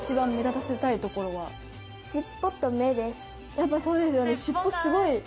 やっぱそうですよね。